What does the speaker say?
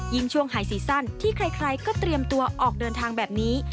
ช่วงหายซีซั่นที่ใครก็เตรียมตัวออกเดินทางแบบนี้